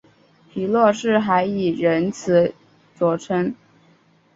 皮洛士还以仁慈着称。